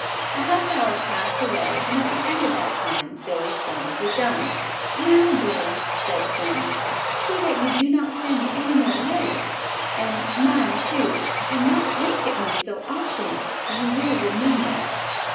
A half hour passed away and at the end of that time Billy's sums were done. "Now, Billy," said Fanny, "see that you do not send me any more letters, and mind, too, and not wink at me so often; you will remember?"